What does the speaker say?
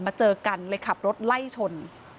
เจอกันเลยขับรถไล่ชน